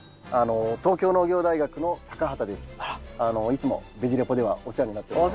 いつも「ベジ・レポ」ではお世話になっております。